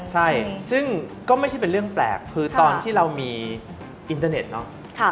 ใช่ซึ่งก็ไม่ใช่เป็นเรื่องแปลกคือตอนที่เรามีอินเทอร์เน็ตเนอะ